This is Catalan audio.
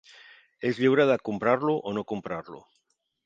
És lliure de comprar-lo o no comprar-lo.